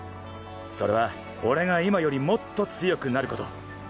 それは俺が今よりもっと強くなること！